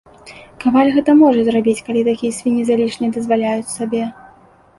Каваль гэта можа зрабіць, калі такія свінні залішне дазваляюць сабе.